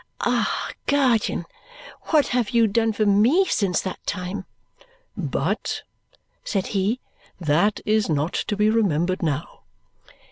"Ah, guardian, what have you done for me since that time!" "But," said he, "that is not to be remembered now."